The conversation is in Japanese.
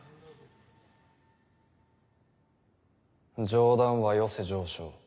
冗談はよせ丞相。